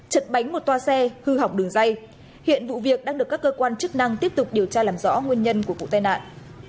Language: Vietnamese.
chật bánh một toa xe hư hỏng đường dây hiện vụ việc đang được các cơ quan chức năng tiếp tục điều tra làm rõ nguyên nhân của vụ tai nạn